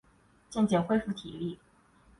渐渐恢复体力